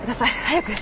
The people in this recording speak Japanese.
早く！